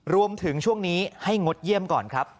รวมถึงช่วงนี้ให้งดเยี่ยมก่อนครับ